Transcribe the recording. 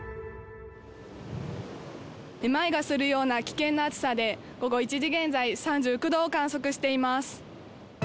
めまいがするような危険な暑さで、午後１時現在、３９度を観測しています。